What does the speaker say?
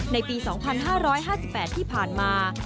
ในปี๒๕๕๘ที่ผ่านมา